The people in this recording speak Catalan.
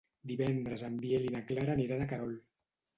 Divendres en Biel i na Clara aniran a Querol.